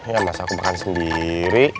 ya masa aku makan sendiri